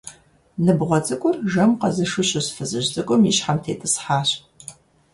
Ныбгъуэ цӀыкӀур жэм къэзышу щыс фызыжь цӀыкӀум и щхьэм тетӀысхьащ.